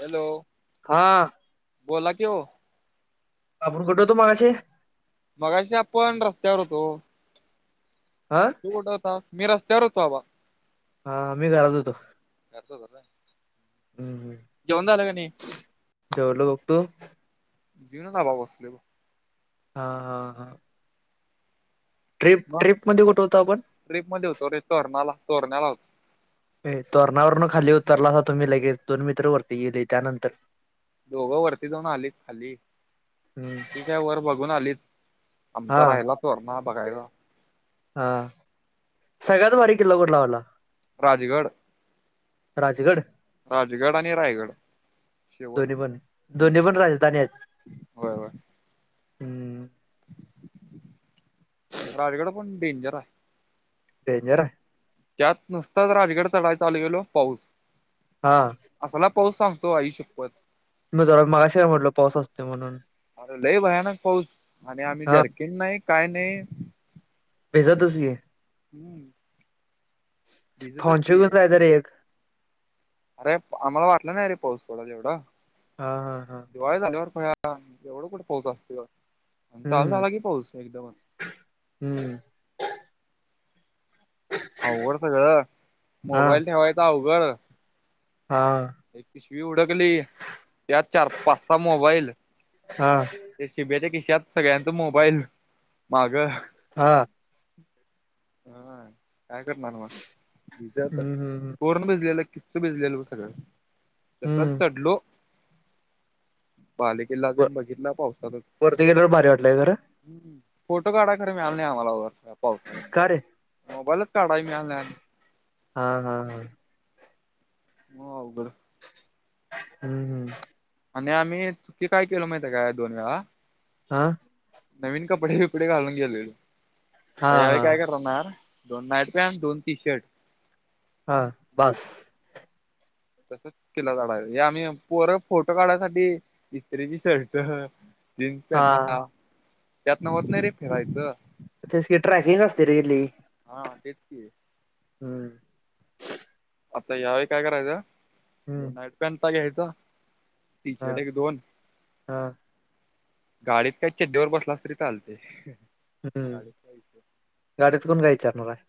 Hello हा बोला की ओ. आपण कुठे होतो मगाशी? मगाशी आपण रस्त्यावर होतो हा तू कुठे होतास? मी रस्त्यावरच बाबा. हा मी घरात होतो. [unintelligible] हम्म हम्म. जेवन झालं का नाही? जेवलो बघतो जेवणच आला बसलोय बघ. हा हा हा. ट्रिप ट्रिप मध्ये कुठं होतो आपण? ट्रीप मध्ये होतो रे तोरणाला तोरण्याला होतो. तोरणावरन खाली उतरलासा तुम्ही लगेच दोन मित्र वरती गेले त्यानंतर दोघं वरती जाऊन आलीत खाली हम्म ते काय वर बघून आलीत. हा आमचा राहिला तोरणा बघायला. हा सगळ्यात भारी किल्ला कुठला वाटला? राजगड. राजगड राजगड आणि रायगड शेवट दोन्ही पण दोन्ही पण राजधानी आहेत. होय होय. हम्म राजगड पण डेंजर आहे. डेंजर आहे. त्यात नुसताच राजगड चढायचा चालू केलो पाऊस हा. असाला पाऊस सांगतो आई शपथ! मी जरा मगाशी काय म्हटलं पाऊस असतो म्हणून अरे लय भयानक पाऊस आणि आम्ही हा जरखे येत नाही काय नाही भिजतच की. हम्म [unintelligible] भिजतच फॉनचर की ला जायचरे एक अरे आम्हाला वाटलं नाही रे पाऊस पडल एवढा. हा हा हा. दिवाळी झाल्यावर काय आता एवढं कुठे पाऊस असतो आणि काल हम्म झाला की पाऊस एकदमच हम्म. अवघड सगळं हा मोबाईल ठेवायचं अवघड हा. एक पिशवी हुडकली यात चार पाच सहा मोबाईल हा ते शिब्याच्या खिशात सगळ्यांच मोबाईल माग हा. हा. काय करणार मग त्याच आता हम्म हम्म पूर्ण भिजलेलं किच्च भिजलेलं बघ सगळं तसच हम्म चढलो बालीत वर वरती गेल्यावर भारी वाटलंय खरं. हम्म फोटो काढाय खर मिळाल नाही आम्हाला वर पावसात का रे मोबाईलच काढाय मिळालनाय हा हा हा. म अवघड हम्म हम्म आणि आम्ही चुकी काय केल माहित आहे काय दोन वेळा आ नवीन कपडे बिपडे घालून गेलेले हा आता यावेळी हा काय करणार दोन नाईट पॅन्ट आणि दोन टी शर्ट हा बास. तसं. [unintelligible] [unintelligible] आम्ही पोर फोटो काढासाठी इस्त्रीची शर्ट जीन्स पॅन्टा हा त्यातन होत नाही रे फेरायचं. तेसं की ट्रॅकिंग असते रे लयी. हा तेच हम्म आता यावेळी काय करायचं हम्म दोन नाईट पॅन्ट घ्यायचा टी हा शर्ट एक दोन हा गाडीत काही चड्डीवर बसलास तरी चालतय. हम्म गाडीत कोन काय विचारणार हाय.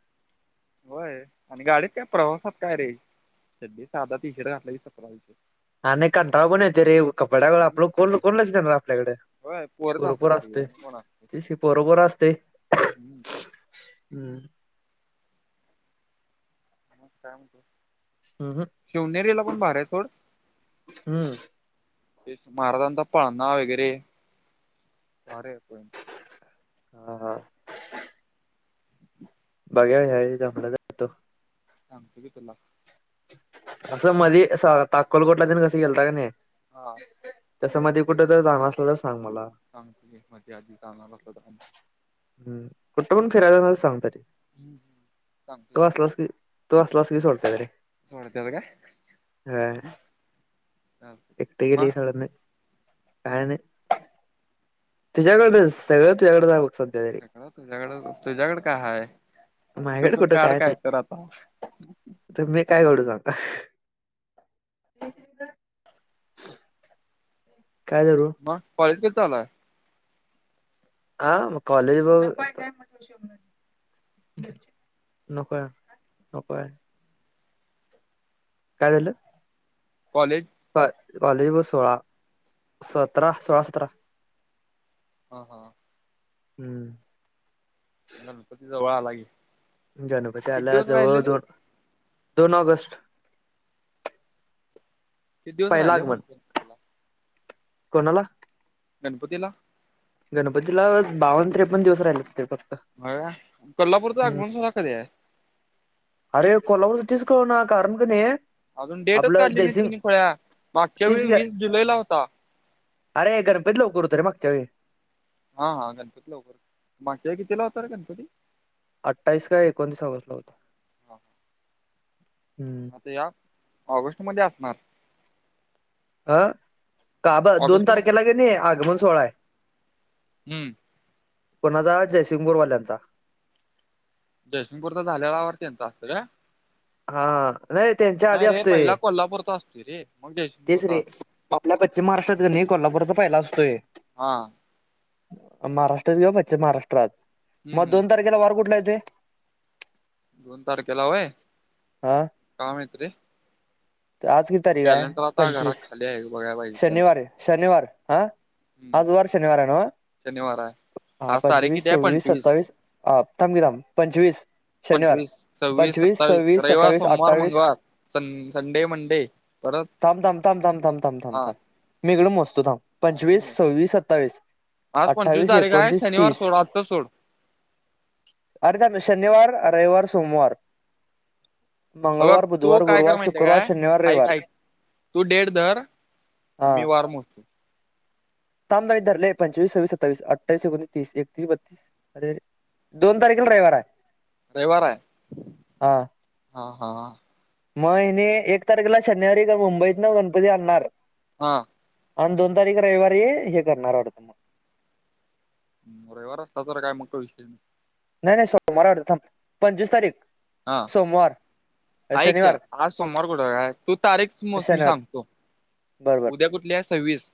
होय आणि गाडीत काय प्रवासात काय रे चड्डी साधा टी शर्ट घातला आणि कंटाळा पण येत रे कपड्या आपलं कोण कोण लक्षणार आपल्याकड. होय पोरच असतात बरोबर सगळी असते आणि कोण असते ते बरोपर असते मग हम्म. म काय म्हणतो हम्म शिवनेरीला पण भारु आहे सोड. हम्म ते महाराजांचा पळनाव वगैरे हा हा [unintelligible] [unintelligible] असं मध्ये अक्कलकोटला देन कसं गेलता नाही हा तसं मध्ये कुठे जर जाणार असला तर सांग मला. [unintelligible] हम्म कुठे पण फिरायला जाणार असंल सांगतरी. आणि तू असलास की तू असलास की सोडत त रे सोडत्यात काय? होय. चालतंय एकटे तर मग घ्यायला सोडत नाही. [unintelligible] तुझ्याकडच सगळं तुझ्याकडे आहे बघ. सध्या तरी सगळ तुझ्याकड तुझ्याकड काय हाय तू पण काड काय तर आता. तुम्ही का एवढे जाता? [unintelligible] काय करू? मग कॉलेज कधी चालूय? [unintelligible] [unintelligible] काय झालं? कॉलेज क कॉलेज बस सोळा सतरा सोळा सतरा [unintelligible] हा हा हा. हम्म. गणपती जवळ आला की. गणपती किती आला दिवस जवळ राहिलेले दोन दोन ऑगस्ट किती दिवस पहिला राहिले मग? आगमन कोणाला? गणपती ला? गणपतीला बावन्न त्रेपन्न दिवस राहिले असतील फक्त. अ कोल्हापूरच हम्म. आगमन सोहळा कधीय? अरे कोल्हापूरचं तिच कळना कारण कनी अजून डेटच काढली नाही तिने खुळ्या मागच्या तीस वेळी ग वीस जुलै ला होता. अरे गणपती लवकर हुतं रे मागच्यावेळी. हा हा गणपती लवकर मागच्या वेळ कितीला होता रे गणपती? अठ्ठावीस का एकोणतीस ऑगस्टला होतो हम्म. ते या ऑगस्ट मध्ये असणार. आ का ब दोन ऑगस्ट मध्ये तारखेला का नाही आगमन सोहळा आहे. हम्म कुणाचा जयसिंगपूर वाल्यांचा. जयसिंगपूरचा झाल्यावर त्यांचा असतं का? हा नाही त्यांच्या आदी नाही रे असतोय पहिला कोल्हापूरचा असतोय रे मग तेच जयसिंगपूरचा रे. असतो आपल्या पश्चिम महाराष्ट्रात क नाही कोल्हापुरचा पहिला असतोय. हा. महाराष्ट्राचा घेऊ पश्चिम महाराष्ट्रात हम्म मग दोन हम्म तारखेला वार कुठला येतोय? दोन तारखेला वय? हा ते आज किती तारीख हाय कॅलेंडर आता पंचवीस घरात खाली आहे बघायला पाहिजे कॅलेंडर शनिवार आहे शनिवार आ. हम्म आज वार शनिवार हाय ना? शनिवार हाय. हा पंचवीस, सव्वीस, सत्तावीस आं थांब की थांब पंचवीस शनिवार. पंचवीस सव्वीस, पंचवीस सत्तावीस सव्वीस रविवार, सत्तावीस सोमवार, अठ्ठावीस मंगळवार सं संडे, मंडे परत थांब थांब थांब थांब थांब थांब थांब हा थांब मी इकडून मोजतो थांब. हा तू पंचवीस, मग सव्वीस, सत्तावीस, आज पंचवीस अठ्ठावीस, तारीख आहे एकोणतीस, शनिवार तीस. सोड आत्ता सोड अरे थांब शनिवार, रविवार, सोमवार हे बघ मंगळवार तू बुधवार काय कर गुरुवार माहिती आहे शुक्रवार शनिवार काय ऐक रविवार ऐक तू डेड धर हा मी वार मोजतो. थांब बाय धरलेय पंचवीस, सव्वीस, सत्तावीस, अठ्ठावीस एकोणस, तीस, एकतीस, बत्तीस अरे अरे दोन तारखेला रविवार आहे. रविवार आहे हा हा. म हिने एक तारखेला शनिवारी गं गोमबईतनं गणपती आणणार आहे हा. आणि दोन तारीख रविवारी ये हे करणार वाटते मग. हम्म रविवार असता तर मग काय विषय नाही. नाही नाही सोमवार आहे वाटते थांब पंचविस तारीख हा सोमवार ऐक त्या शनिवार आज सोमवार कुठे काय तू तारीखस मोज मी शनिवार सांगतो. बरोबर उद्या कुठली आहे सव्वीस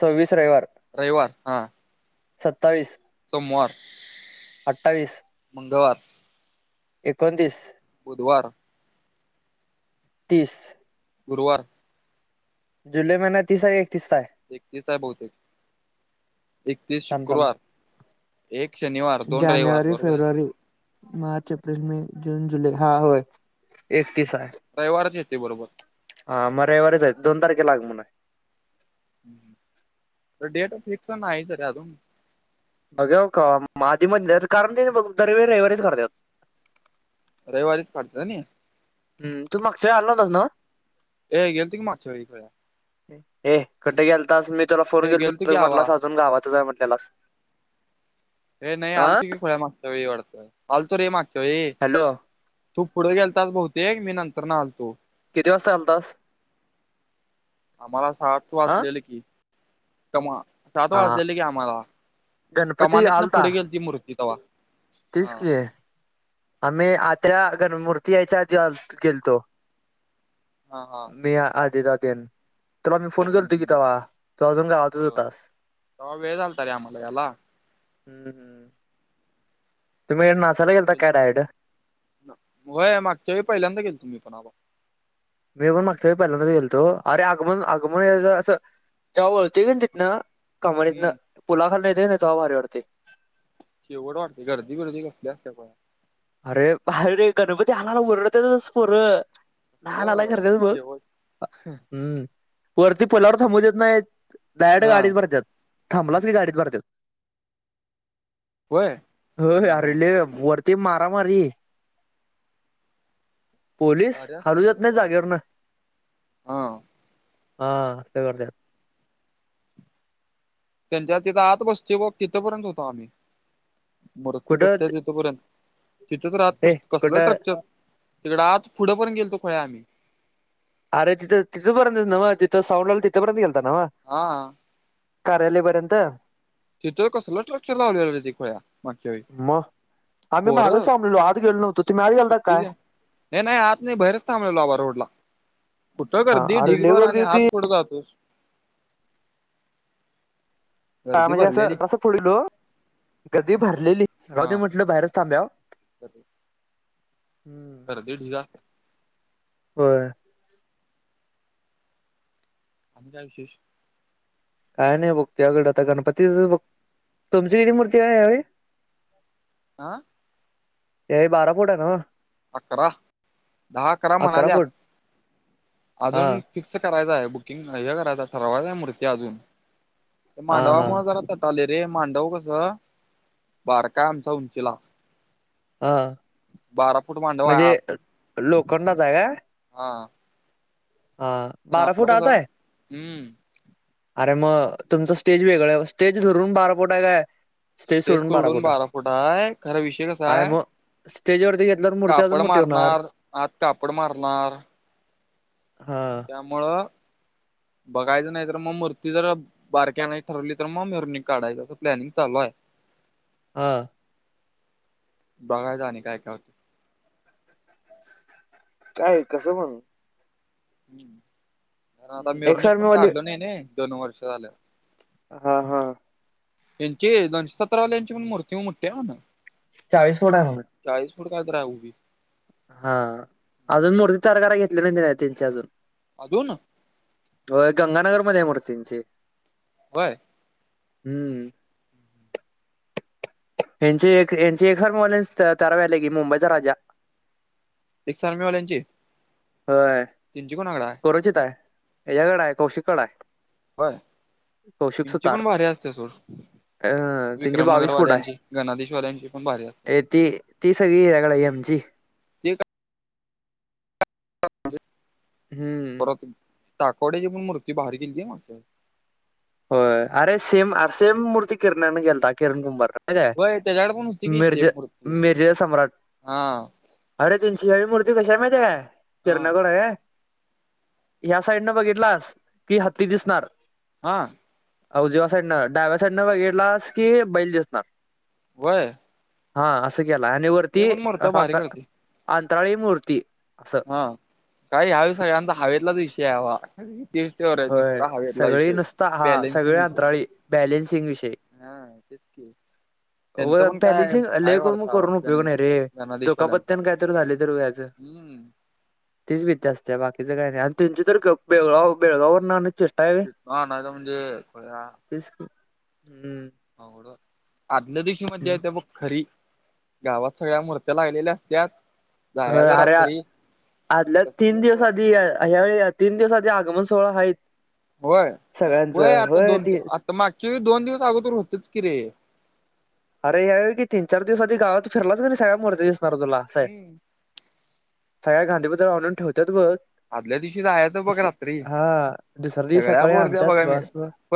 सव्वीस रविवार रविवार हा. सत्तावीस सोमवार अठ्ठावीस, मंगळवार एकोणतीस बुधवार तीस गुरुवार जुलै महिन्या तीस आहे एकतीस आहे? एकतीस आहे बहुतेक. एकतीस थांब शुक्रवार, थांब एक शनिवार, दोन रविवार जानेवारी बरोबर आहे. फेब्रुवारी मार्च, एप्रिल, मे, जून, जुलै हा होय एकतीस आहे. रविवारच येते बरोबर. हा म रविवारीच आहेत दोन तारखेला आगमन आहे. डेट हम्म. फिक्स नाही झाली अजून. अगव क आधी मधी जायचं कारण काय दे रे बघु तरी रविवारीच करत्यात. रविवारिच हाततनी हम् तु मागच्या वेळी आला नवतास ना? ए गेल तो की मागच्या वेळी पण. ऐ कठं गेलतास मी तुला फोन हे केल गेलतो की तू आवा म्हटलास अजून गावातच आहे म्हटलेलास. हे नाही हा आलतू की खुळ्या मागच्या वेळी वाटतय आलतो रे मागच्या वेळी. हॅलो तू पुढ गेलताच बहुतेक मी नंतर न आलतो. किती वाजता आलतास? आम्हाला सात हा वाजलेले कि कमा सात हा वाजलेले कि आम्हाला. गणपती कमानीतन पुढ आलता गेलती मूर्ती तव्हा हा तेच हा. की आम्ही आतल्या गणमूर्ती यायच्या आधी गेलतो. हा हा मी आधी जातेन [unintelligible] तूला मी फोन केल तो की हम्म तेव्हा तेव्हा अजून गावातच होय होय होतास. तवा वेळ झालतारे आम्हाला याला. हम् हम. तुम्ही नाचायला गेलता का डायरेक्ट? होय मागच्या वेळी पहिल्यांदा गेलतो मी पण अहो. मी पण मागच्या वेळी पहिल्यांदच गेलतो अरे आगमन आगमन याज असं जवा वळतो कानी तिथनं कमानितंन हम्म पुलाखाली येत तवा भारी वाटतय. शेवट वाटते गर्दी बीर्दी कसली असते बा अरे अरे गणपती आणायला ओरडतेतच पोरं काल आलाय कसलं घरघर बघ शेवट वरती पुलावर थांबू देत नाही डायरेक्ट हा गाडीत भरत्यात थांबलाच की गाडीत भरत्यात. होय हो हा अरे ल्या वरती मार मारा मारी पोलीस भारी असती हालू सोड देत नाही खरं जागेवर आठवण न. हा हा असं करत्यात. त्यांच्या तिथे आत बसते ब तिथपर्यंत होतो आम्ही मूर्ती कुठं बसते तिथपर्यंत. तिथंच रात हे कसल कुठं ट्रक्चर तिकडे आज पुढे परेत गेलतो खुळ्या आम्ही. अरे तिथं तिथं पर्यंतच नाव तिथं साऊंड लावलं तिथपर्यंत गेलता नाव? हा. कार्यालय पर्यंत तिथं कसलं स्ट्रॅक्चर लावलेलं तर खुळ्या मागच्या वेळी. मग आम्ही मागच पोरं थांबलेलो आत गेलो नव्हतो सु तुम्ही आत गेलता सुट्टी काय? द्या नाही नाही आत नाही बाहेरच थांबलेलोबा रोडला कुठं हा गर्दी अरे लय ढीगभर गर्दी आणि होती आत कूट जातोस. हा गर्दी म्हणजे असं भरलेली तसं पुढईलो गर्दी भरलेली जाऊदे म्हटलं बाहेरच थांब्याव. बर [unintelligible] व्हय. अजून काय विशेष [unintelligible] काय नाही बघ त्याकड आता गणपतीच बघ तुमची इकडे मूर्ती आहे यावेळी? अच्छ [inaudible] आं [unintelligible] यावेळी बारा फुट आहे नव? अकरा दहा अकरा म्हणाल्यात हा अजून फिक्स करायचा आहे बुकिंग हे करायचं ठरवायचं आहे मूर्ती अजून हा हा मांडवामुळे जरा चालय रे मांडव कस बारकाय आमच्या उंचीला. हा बारा फूट मांडव आहे म्हणजे आत लोखंडाचा आहे काय? हा. हा बारा नाडो कस फुटाच हाय? हम्म अरे मग तुमचं स्टेज वेगळं स्टेज धरून बारा फुट आहे काय? स्टेज सोडून बारा फुट आहेय खरा विषय कसा आहे स्टेज वरती घेतल्यावर मूर्ती अजून कापड मोठी होणार. मारणार आत कापड मारणार हा त्यामुळं बघायचं नाही तर मग मूर्ती जर बारक्या नाही ठरवली तर मग मिरवनुक काढायच असं प्लॅनिंग चालू आहे. हा. बघायचं आणि काय तर काय कसं मंग? हम्म कारण आता हम्म, एक मिरवणिक सर मी पण वाली काढलो नाही नाही दोन वर्ष झालं. हा हा. यांची दोनशे सतरावाल्यांची पण मूर्ती मोठी आहे म्हण. चाळीस फूट आहे म्हण. चाळीस फुट काय तर हाय बग ते. हा अजून मूर्ती तयार कराय घेतली नाही त्यांची अजून. अजून? होय गंगानगर मध्ये आहे मूर्ती त्यांची. व्हय? हम्म. यांची एक यांचे एक [unintelligible] तरावेले की मुंबईचा राजा. एक सर्मीवाल्यांची होय. तीची कोणाकडे हाय? कुरुचित आहे याच्याकडे आहे कौशिक कड आहे. होय कौशिक यांची सुतार पण भारी असते सोड. अं, त्यांचे बावीस फूट आहे विक्रमनगरवाल्यांची गणाधीशवाल्यांची पण भारी असते. ए ती ती सगळी याकडे यांची ते काय हम्म. परत टाकोड्याची पण मूर्ती भारी केली होती मागच्यावेळी. होय अरे सेम अरे सेम मूर्ती किरण्यान केलता किरण मुंबर होय काय व्हय त्याच्याकडे पण होती की मिर्झा सेम मूर्ती मिर्झा सम्राट हा अरे त्यांची हवी मूर्ती कशी आहे माहिती आहे काय हा किरण्याकडे आहे ह्या साईड नं बघितलास की हत्ती दिसणार. हा. उजव्या साईडनं डाव्या साईडनं बघितलास की बैल दिसणार. व्हय. हा असं केलाय आणि ते वरती पण मूर्त्या भारी काढते अंतराळी मूर्ती असं. ह काही यावेळी सगळ्यांचा हवेतलाच विषय हाय बा. तीन स्टोऱ्या आहेत नुसत होय हवेतला सगळी विषय नुसता हा सगळे बॅलेन्सिंग विषय. अंतराळी बॅलेन्सिंग विषय. हा तेच की. त्यांचं व पण काय बॅलेन्सिंग हाय लय करून वाढता हवा करून उपयोग गणेश नाही रे गणाधीशवाल्याचा. दुखापत्यान काय तर झाले तर व्हायचं हम्म. तीच भीती असते बाकीचं काय नाही आणि त्यांची तर बेळगाव बेळगाववरण आणायची हा नाही तर म्हणजे. [unintelligible] तेच की हम्म. अवघडं आदल्या दिवशी मध्येे मज्जा हम्म. येते बघ. खरी गावात सगळ्या मूर्त्या लागलेल्या असत्यात. हो जायाच अरे रात्री आदल्या तीन दिवस आधी यावेळी तीन दिवस आधी आगमन सोहळा आहेत सगळ्यांचं होय ती मागच्या वेळी दोन दिवस अगोदर होतीच कि रे. अरे या वेळेत तीन चार दिवस आधी गावात फिरलास का नाही सगळ्या मूर्ती दिसणार तुला असं आहे. हम्म सगळ्या गांधी [unintelligible] आणून ठेवतोयत बघ. आदल्या दिवशी जायचं बघ तसं रात्री हा दुसऱ्या दिव सगळ्या सकाळी मूर्त्या आणतयात बघाय मिळ बस ब. परत